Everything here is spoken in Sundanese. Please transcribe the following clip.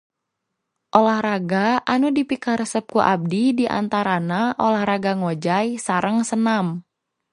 Olahraga anu dipikaresep ku abdi diantarana olahraga ngojay sareng senam